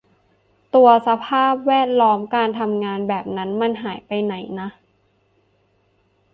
ตัวสภาพแวดล้อมการทำงานแบบนั้นมันหายไปไหนนะ